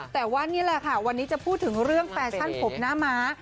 แต่ว่านี่แหละค่ะวันนี้จะพูดถึงเรื่องแฟชั่นผมหน้าม้า